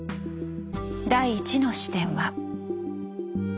第１の視点は。